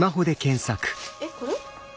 えっこれ？